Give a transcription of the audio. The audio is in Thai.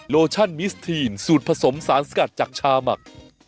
โลชั่นมิสทีนสูตรผสมสารสกัดจากชาหมัก